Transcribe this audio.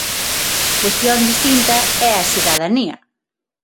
Cuestión distinta é a cidadanía.